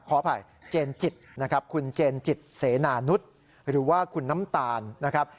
ขออภัยเจนจิตนะครับคุณเจนจิตเสนานุษย์หรือว่าคุณน้ำตาลนะครับ